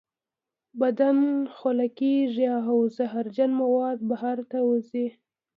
بدن خوله کیږي او زهرجن مواد بهر ته وځي.